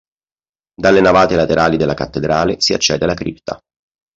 Dalle navate laterali della cattedrale si accede alla cripta.